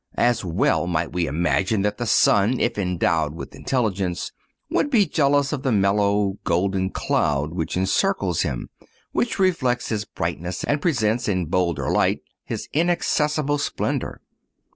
As well might we imagine that the sun, if endowed with intelligence, would be jealous of the mellow, golden cloud which encircles him, which reflects his brightness and presents in bolder light his inaccessible splendor.